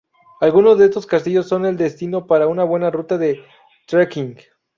Algunos de estos castillos son el destino para una buena ruta de trekking.